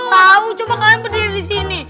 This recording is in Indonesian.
kamu coba kalian berdiri disini